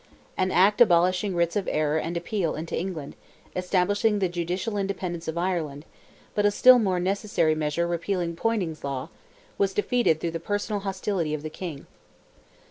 An act abolishing writs of error and appeal into England, established the judicial independence of Ireland; but a still more necessary measure repealing Poyning's Law, was defeated through the personal hostility of the King.